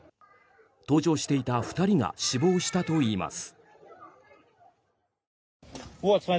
搭乗していた２人が死亡したといいます。